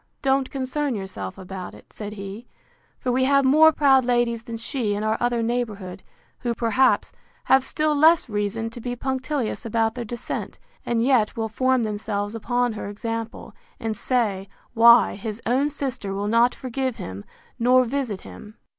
Don't concern yourself about it, said he; for we have more proud ladies than she in our other neighbourhood, who, perhaps, have still less reason to be punctilious about their descent, and yet will form themselves upon her example, and say, Why, his own sister will not forgive him, nor visit him!